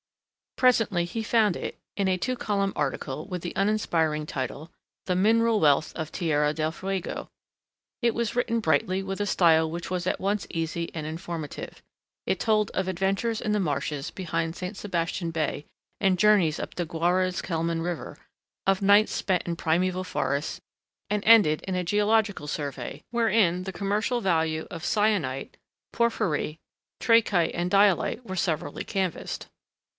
Presently he found it in a two column article with the uninspiring title, "The Mineral Wealth of Tierra del Fuego." It was written brightly with a style which was at once easy and informative. It told of adventures in the marshes behind St. Sebastian Bay and journeys up the Guarez Celman river, of nights spent in primeval forests and ended in a geological survey, wherein the commercial value of syenite, porphyry, trachite and dialite were severally canvassed.